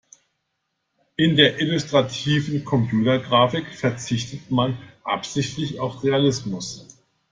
In der illustrativen Computergrafik verzichtet man absichtlich auf Realismus.